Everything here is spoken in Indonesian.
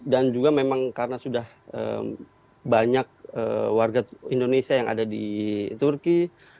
dan juga memang karena sudah banyak warga indonesia yang ada di turki